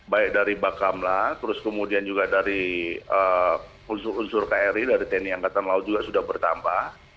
baik dari bakamla terus kemudian juga dari unsur unsur kri dari tni angkatan laut juga sudah bertambah